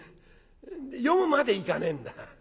読むまでいかねえんだ。